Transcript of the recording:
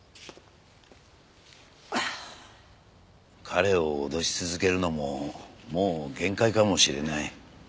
彼を脅し続けるのももう限界かもしれない。